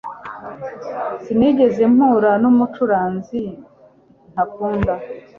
Sinigeze mpura numucuranzi ntakunda.